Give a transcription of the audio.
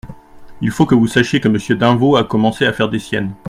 Il faut que vous sachiez que Monsieur d'Invaux a commencé à faire des siennes.